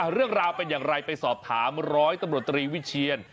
เรื่องราวเป็นอย่างไรไปสอบถามร้อยตำรวจตรีวิเชียน